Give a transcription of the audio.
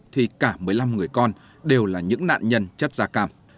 thì cả một mươi năm người con đều là những nạn nhân chất da cam